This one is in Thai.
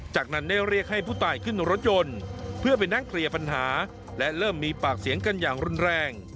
จากนั้นได้เรียกให้ผู้ตายขึ้นรถยนต์เพื่อไปนั่งเคลียร์ปัญหาและเริ่มมีปากเสียงกันอย่างรุนแรง